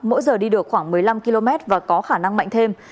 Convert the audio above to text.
mỗi giờ đi được khoảng một mươi năm km và có khả năng mạnh thêm